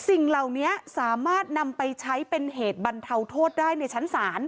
สิ่งเหล่านี้สามารถนำไปใช้เป็นเหตุบรรเทาโทษได้ในชั้นศาล